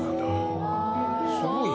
すごい。